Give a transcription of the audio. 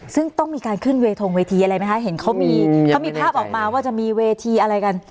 ซึ่งต้องมีการขึ้นเวทงเวทีอะไรไหมคะเห็นเขามีเขามีภาพออกมาว่าจะมีเวทีอะไรกัน